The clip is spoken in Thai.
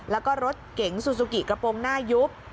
แล้วก็รถเก๋งซูซูกิกระโปรงหน้ายุบ